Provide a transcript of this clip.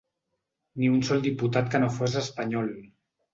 Ni un sol diputat que no fos espanyol.